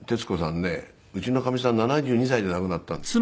ねうちのかみさん７２歳で亡くなったんですよ。